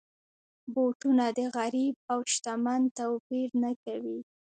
بوټونه د غریب او شتمن توپیر نه کوي.